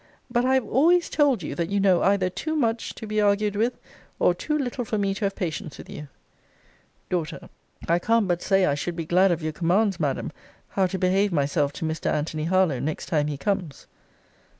But I have always told you, that you know either too much to be argued with, or too little for me to have patience with you. D. I can't but say, I should be glad of your commands, Madam, how to behave myself to Mr. Antony Harlowe next time he comes.